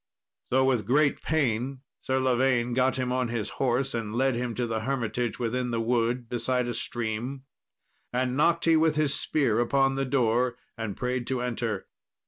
So with great pain Sir Lavaine got him to his horse, and led him to the hermitage within the wood, beside a stream. Then knocked he with his spear upon the door, and prayed to enter.